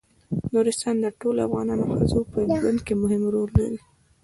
نورستان د ټولو افغان ښځو په ژوند کې مهم رول لري.